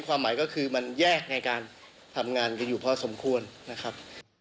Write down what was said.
ความหมายก็คือมันแยกในการทำงานกันอยู่พอสมควรนะครับ